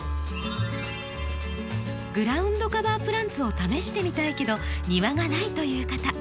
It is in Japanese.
グラウンドカバープランツを試してみたいけど庭がないという方。